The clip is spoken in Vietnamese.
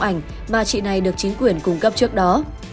ảnh mà chị này được chính quyền cung cấp trước đó